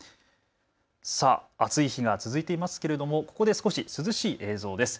暑い日が続いてますけれどもここで少し涼しい映像です。